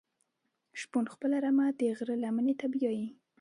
شپون خپله رمه د غره لمنی ته بیایی.